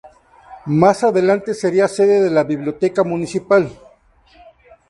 Más adelante sería sede de la biblioteca municipal.